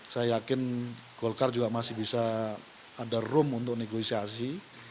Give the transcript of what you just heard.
saya yakin golkar juga masih bisa ada room untuk negosiasi